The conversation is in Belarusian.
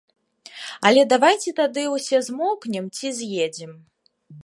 Але давайце тады ўсе змоўкнем ці з'едзем.